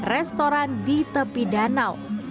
restoran di tepi danau